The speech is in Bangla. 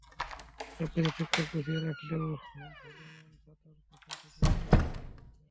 সবকিছু ঠিকঠাক গুছিয়ে রাখলেও ভোলামন ছাতার কথা ঠিকই ভুলে বসে থাকবে।